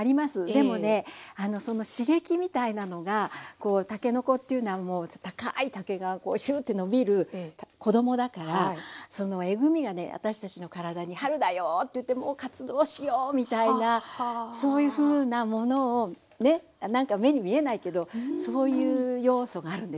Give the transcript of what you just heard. でもねその刺激みたいなのがたけのこというのは高い竹がシュッて伸びる子供だからそのえぐみがね私たちの体に「春だよ」と言って活動しようみたいなそういうふうなものをねなんか目に見えないけどそういう要素があるんですね。